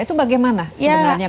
itu bagaimana sebenarnya